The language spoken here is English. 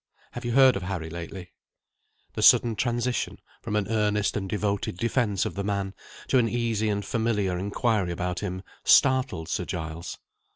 Have you heard of Harry lately?" The sudden transition, from an earnest and devoted defence of the man, to an easy and familiar inquiry about him, startled Sir Giles.